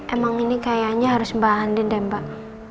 emang ini kayaknya harus mbak handen deh mbak